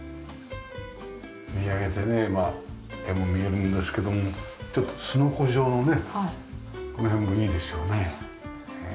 見上げてね絵も見えるんですけどもちょっとすのこ状のねこの辺もいいですよね。